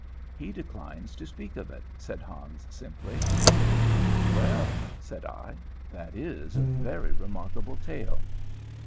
"He declines to speak of it," said Hans, simply. "Well," said I, "that is a very remarkable tale."